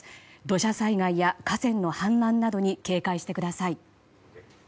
土砂災害や河川の氾濫などに警戒してください。